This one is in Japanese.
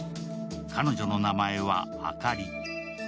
彼女の名前は、あかり。